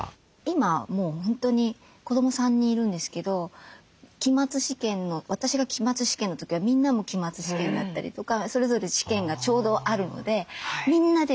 今もう本当に子ども３人いるんですけど私が期末試験の時はみんなも期末試験だったりとかそれぞれ試験がちょうどあるのでみんなで勉強するんですよ。